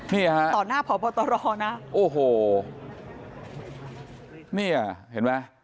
นี่ฮะต่อหน้าผอบตรนะโอ้โหเนี่ยเห็นไหม